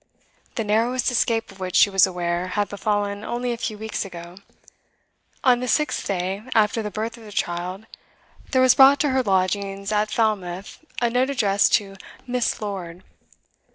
The narrowest escape of which she was aware had befallen only a few weeks ago. On the sixth day after the birth of the child, there was brought to her lodgings at Falmouth a note addressed to 'Miss. Lord.